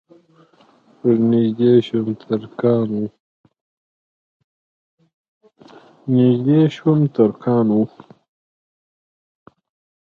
ور نږدې شوم ترکان وو.